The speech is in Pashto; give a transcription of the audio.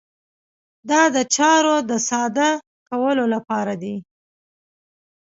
دا د چارو د ساده کولو لپاره دی.